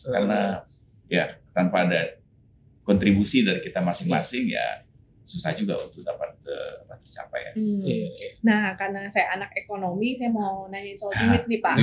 karena ya tanpa ada kontribusi dari kita masing masing ya susah juga untuk dapat kecapai nah karena saya anak ekonomi saya mau nanya soal duit nih pak